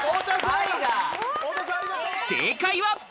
正解は。